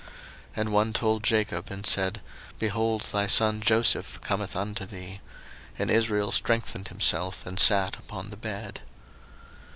01:048:002 And one told Jacob, and said, Behold, thy son Joseph cometh unto thee: and Israel strengthened himself, and sat upon the bed.